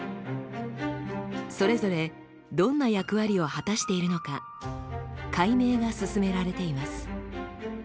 それぞれどんな役割を果たしているのか解明が進められています。